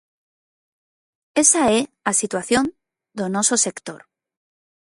Esa é a situación do nosos sector.